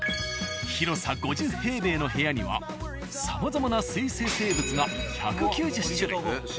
広さ５０平米の部屋にはさまざまな水生生物が１９０種類。